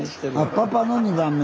パパの２番目。